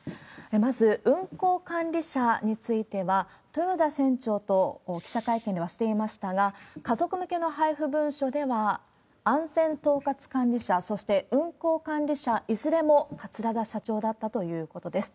まず運航管理者については、豊田船長と、記者会見ではしていましたが、家族向けの配布文書では、安全統括管理者、そして運航管理者、いずれも桂田社長だったということです。